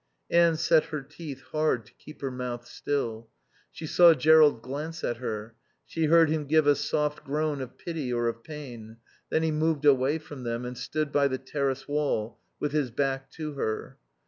Anne set her teeth hard to keep her mouth still. She saw Jerrold glance at her, she heard him give a soft groan of pity or of pain; then he moved away from them and stood by the terrace wall with his back to her.